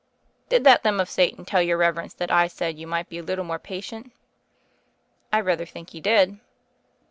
"Did that limb of Satan tell your reverence that I said yoii might be a little more patient?" "I rather think he did."